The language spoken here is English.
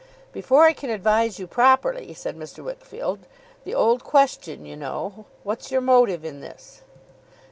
'Before I can advise you properly,' said Mr. Wickfield 'the old question, you know. What's your motive in this?